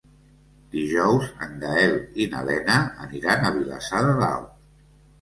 Dijous en Gaël i na Lena aniran a Vilassar de Dalt.